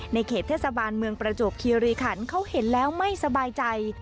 เขตเทศบาลเมืองประจวบคีรีขันเขาเห็นแล้วไม่สบายใจ